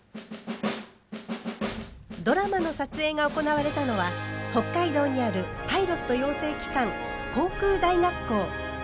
ドラマの撮影が行われたのは北海道にあるパイロット養成機関航空大学校。